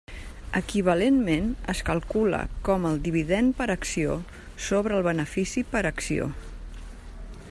Equivalentment es calcula com el dividend per acció sobre el benefici per acció.